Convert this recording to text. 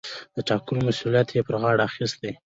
د ټاکلو مسووليت يې پر غاړه اخىستى.